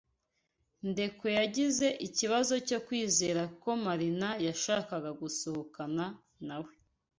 Ndekwe yagize ikibazo cyo kwizera ko Marina yashakaga gusohokana nawe.